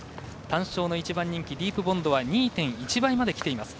単勝の１番人気ディープボンドは２．１倍まできています。